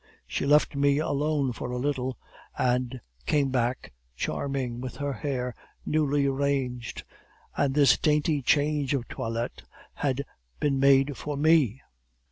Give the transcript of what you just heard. She left me alone for a little, and came back, charming, with her hair newly arranged; and this dainty change of toilette had been made for me!